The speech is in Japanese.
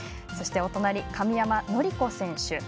そして、お隣の神山則子選手。